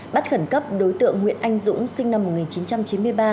bắt khẩn cấp đối tượng nguyễn anh dũng sinh năm một nghìn chín trăm chín mươi ba